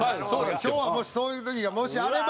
今日はそういう時がもしあれば。